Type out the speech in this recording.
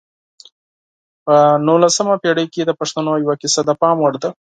په نولسمه پېړۍ کې د پښتنو یوه کیسه د پام وړ ده.